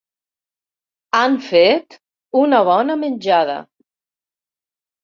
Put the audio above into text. Han fet una bona menjada.